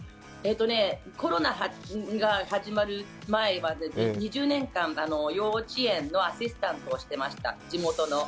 コロナが始まる前は２０年間、幼稚園のアシスタントをしていました、地元の。